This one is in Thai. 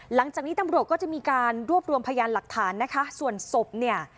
หลังจากนี้ตำรวจก็จะมีการรวบรวมพยานหลักฐานนะคะส่วนศพเนี่ย